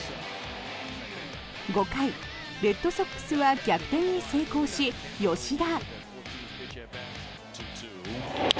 ５回、レッドソックスは逆転に成功し、吉田。